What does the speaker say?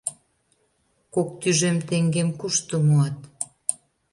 — Кок тӱжем теҥгем кушто муат?